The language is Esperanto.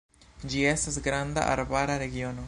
Ĝi estas granda arbara regiono.